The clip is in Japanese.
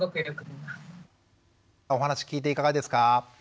お話聞いていかがですか？